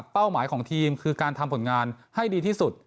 หมายของทีมคือการทำผลงานให้ดีที่สุด